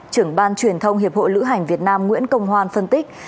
trưởng ban truyền thông hiệp hội lữ hành việt nam nguyễn công hoan phân tích